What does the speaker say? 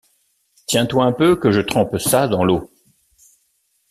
Tiens-toi un peu que je trempe ça dans l’eau.